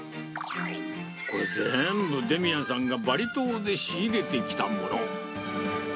これ、全部、デミアンさんがバリ島で仕入れてきたもの。